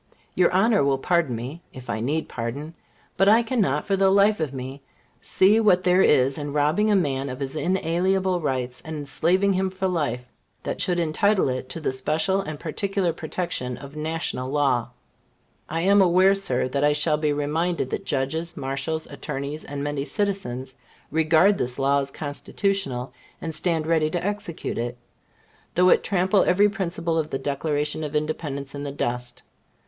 Your Honor will pardon me, (if I need pardon,) but I cannot, for the life of me, see what there is in robbing a man of his inalienable rights and enslaving him for life, that should entitle it to the special and peculiar protection of national law. I am aware, Sir, that I shall be reminded that judges, marshals, attorneys, and many citizens, regard this law as Constitutional, and stand ready to execute it, though it trample every principle of the Declaration of Independence in the dust.